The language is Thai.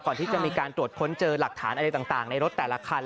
ก่อนที่จะมีการตรวจค้นเจอหลักฐานอะไรต่างในรถแต่ละคัน